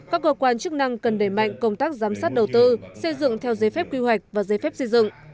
các cơ quan chức năng cần đẩy mạnh công tác giám sát đầu tư xây dựng theo giấy phép quy hoạch và giấy phép xây dựng